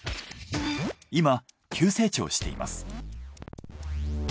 今急成長しています。